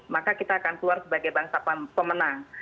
maka kita akan keluar sebagai bangsa pemenang